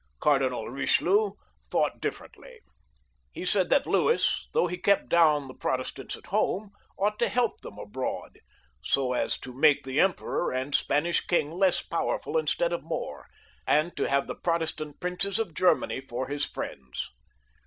Cardinal Jlichelieu thought differently. He said that Louis, though he kept down the Protestants at home, ought to help them abroad, so as to make the Emperor and Spanish king less powerful instead of more, and to have the Protestant princes of Germany for his Mends.